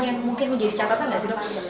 yang mungkin menjadi catatan nggak sih dok